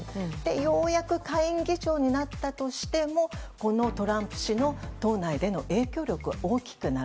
ようやく下院議長になったとしても今後トランプ氏の党内での影響力は大きくなる。